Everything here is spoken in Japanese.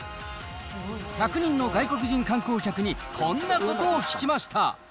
１００人の外国人観光客にこんなことを聞きました。